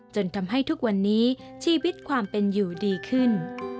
จนทำให้ทุกวันนี้ชีวิตความเป็นอยู่ดีขึ้น